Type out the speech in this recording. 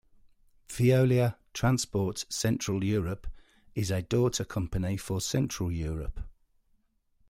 Veolia Transport Central Europe is a daughter company for Central Europe.